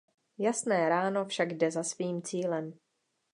Jasné ráno však jde za svým cílem.